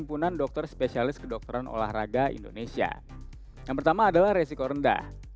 kita datang play braun tepuk tangan dulu nah tidade di game tadi ya apa eyebrow ini